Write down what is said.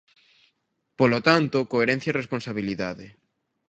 Polo tanto, coherencia e responsabilidade.